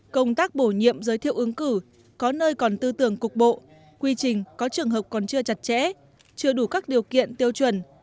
công tác bổ nhiệm giới thiệu ứng cử có nơi còn tư tưởng cục bộ quy trình có trường hợp còn chưa chặt chẽ chưa đủ các điều kiện tiêu chuẩn